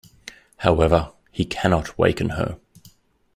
However, he cannot waken her.